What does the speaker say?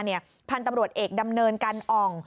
พันธุ์ตำรวจเอกดำเนินกันอ่อง